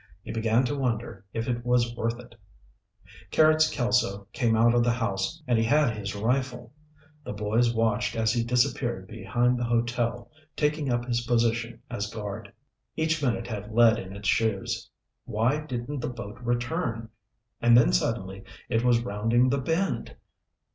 He began to wonder if it was worth it. Carrots Kelso came out of the house, and he had his rifle. The boys watched as he disappeared behind the hotel, taking up his position as guard. Each minute had lead in its shoes. Why didn't the boat return? And then, suddenly, it was rounding the bend!